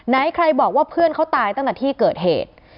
ไหนใครบอกว่าเพื่อนเขาตายตั้งแต่ที่เกิดเหตุ